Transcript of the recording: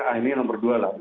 ah ini nomor dua lah ini dulu